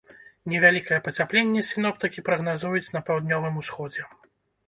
Невялікае пацяпленне сіноптыкі прагназуюць на паўднёвым усходзе.